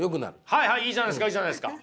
はいはいいいじゃないですかいいじゃないですか。